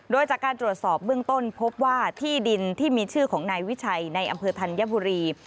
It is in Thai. โดยจากการตรวจสอบเบื้องต้นพบว่าที่ดินที่มีชื่อของนายวิชัยในอำเภอธัญบุรี